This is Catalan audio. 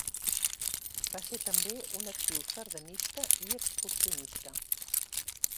Va ser també un actiu sardanista i excursionista.